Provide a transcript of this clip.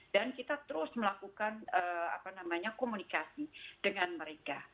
dan kita terus melakukan komunikasi dengan mereka